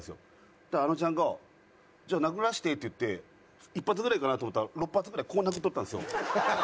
そしたらあのちゃんが「じゃあ殴らせて」って言って１発ぐらいかなと思ったら６発ぐらいこう殴っとったんですよ。